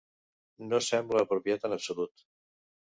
No sembla apropiat en absolut.